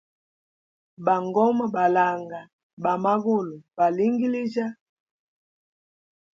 Bangoma balanga, ba magulu balingilijya.